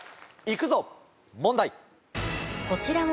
行くぞ問題。